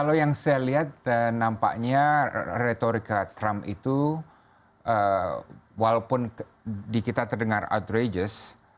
saya lihat dan nampaknya retorika trump itu walaupun di kita terdengar outrageous